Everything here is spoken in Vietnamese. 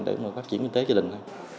để phát triển kinh tế cho đình